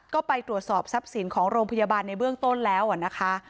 ก็ไปตรวจสอบทรัพย์สินของโรงพยาบาลในเบื้องต้นแล้วนะคะ